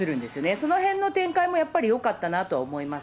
そのへんの展開もやっぱりよかったなとは思います。